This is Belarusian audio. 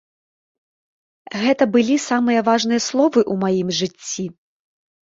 Гэта былі самыя важныя словы ў маім жыцці.